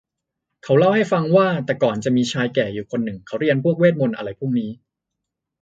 เขาเล่าให้ฟังว่า แต่ก่อนจะมีชายแก่อยู่คนนึงเขาเรียนพวกเวทย์มนต์อะไรพวกนี้